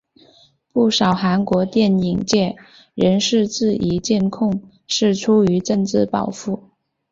不少韩国电影界人士质疑检控是出于政治报复。